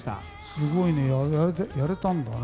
すごいね、やれたんだね。